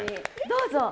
どうぞ。